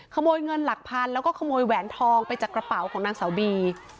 ขโมยเงินหลักพันแล้วก็ขโมยแหวนทองไปจากกระเป๋าของนางสาวบี